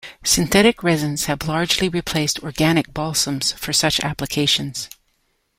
Synthetic resins have largely replaced organic balsams for such applications.